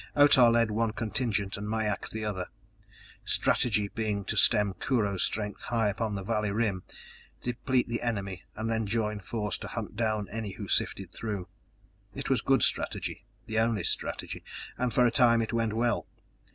Otah led one contingent and Mai ak the other, strategy being to stem Kurho's strength high upon the valley rim, deplete the enemy and then join force to hunt down any who sifted through. It was good strategy, the only strategy and for a time it went well.